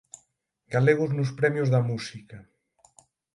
Galegos nos Premios da Música